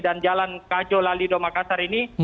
dan jalan kajo lali domakassar ini